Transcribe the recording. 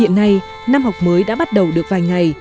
hiện nay năm học mới đã bắt đầu được vài ngày